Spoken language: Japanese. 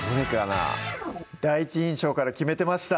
第一印象から決めてました